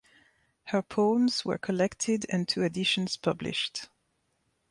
Her poems were collected and two editions published.